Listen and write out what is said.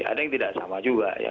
ada yang tidak sama juga ya